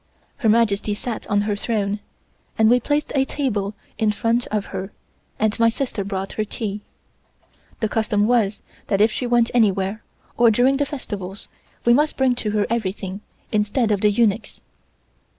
Her Majesty sat on Her Throne, and we placed a table in front of her and my sister brought her tea. (The custom was, that if she went anywhere, or during the festivals, we must bring to her everything, instead of the eunuchs.)